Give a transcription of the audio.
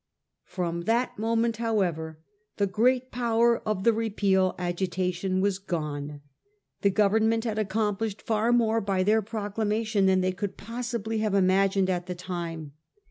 From that moment, however, the great power of the Repeal agitation was gone. The Government had accomplished far more by their proclamation than they could possibly have imagined at the time.